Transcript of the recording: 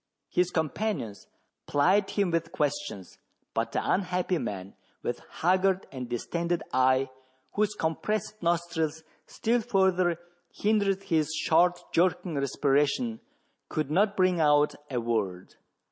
His companions plied him with questions ; but the unhappy man, with haggard and distended eye, whose compressed nostrils still further hindered his short jerking respiration, could not bring out a word.